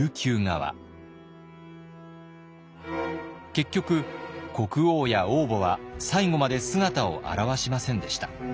結局国王や王母は最後まで姿を現しませんでした。